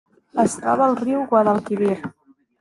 Es troba al riu Guadalquivir.